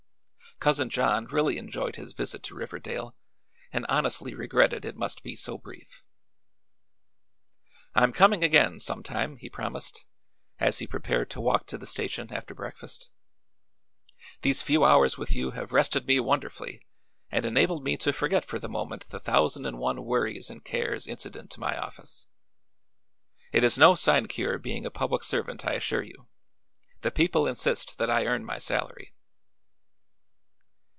Cousin John really enjoyed his visit to Riverdale and honestly regretted it must be so brief. "I'm coming again, some time," he promised, as he prepared to walk to the station after breakfast. "These few hours with you have rested me wonderfully and enabled me to forget for the moment the thousand and one worries and cares incident to my office. It is no sinecure being a public servant, I assure you. The people insist that I earn my salary."